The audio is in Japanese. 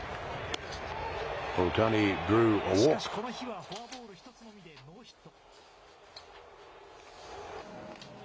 しかし、この日はフォアボール１つのみでノーヒット。